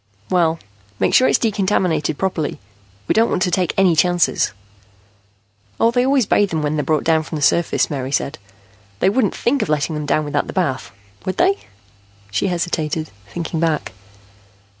"Well, make sure it's decontaminated properly. We don't want to take any chances." "Oh, they always bathe them when they're brought down from the surface," Mary said. "They wouldn't think of letting them down without the bath. Would they?" She hesitated, thinking back.